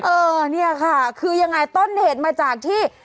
เออเนี่ยค่ะคือยังไงต้นเหตุมาจากที่